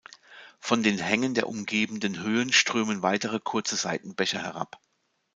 Von den Hängen der umgebenden Höhen strömen weitere kurze Seitenbäche herab.